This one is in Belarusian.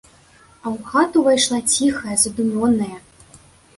А ў хату ўвайшла ціхая, задумёная.